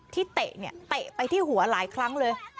เตะเนี่ยเตะไปที่หัวหลายครั้งเลย